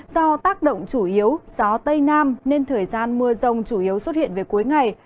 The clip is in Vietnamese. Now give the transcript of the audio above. do tác động chủ yếu gió tây nam nên thời gian mưa rông chủ yếu xuất hiện về cuối ngày